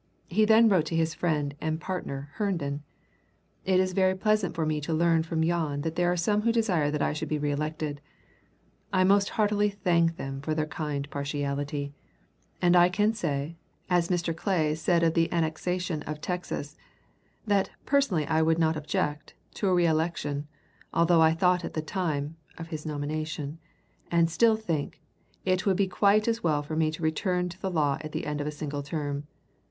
He then wrote to his friend and partner Herndon: "It is very pleasant for me to learn from yon that there are some who desire that I should be reelected. I most heartily thank them for their kind partiality; and I can say, as Mr. Clay said of the annexation of Texas, that 'personally I would not object' to a reelection, although I thought at the time [of his nomination], and still think, it would be quite as well for me to return to the law at the end of a single term.